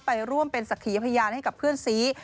ไปร่วมเป็นสักขีพยานให้กับเพื่อนซี